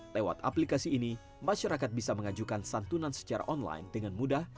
lewat aplikasi ini masyarakat bisa mengajukan santunan secara online dengan mudah